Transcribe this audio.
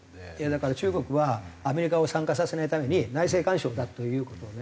だから中国はアメリカを参加させないために内政干渉だという事をね